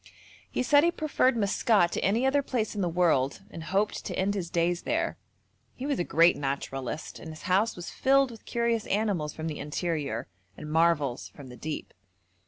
He said he preferred Maskat to any other place in the world, and hoped to end his days there; he was a great naturalist, and his house was filled with curious animals from the interior, and marvels from the deep.